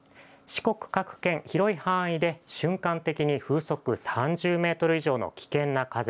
四国各県、広い範囲で瞬間的に風速３０メートル以上の危険な風。